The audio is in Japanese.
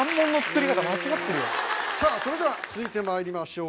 さあそれでは続いてまいりましょう。